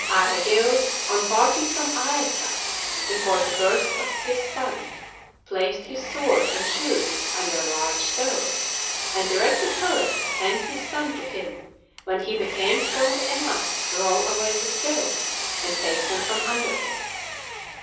Aegeus on parting from Aethra, before the birth of his son, placed his sword and shoes under a large stone and directed her to send his son to him when he became strong enough to roll away the stone and take them from under it.